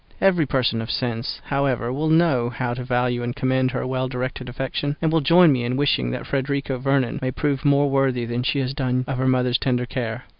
Every person of sense, however, will know how to value and commend her well directed affection, and will join me in wishing that Frederica Vernon may prove more worthy than she has yet done of her mother's tender care.